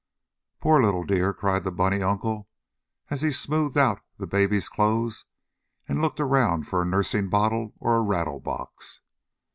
"You poor little dear!" cried the bunny uncle as he smoothed out the Baby's clothes and looked around for a nursing bottle or a rattle box.